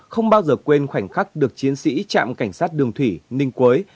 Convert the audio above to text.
không bao giờ quên khoảnh khắc được chiến sĩ chạm cảnh sát đường thủy ninh quới